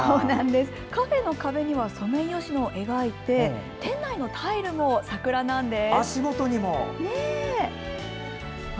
カフェの壁にはソメイヨシノを描いて店内のタイルも桜なんです。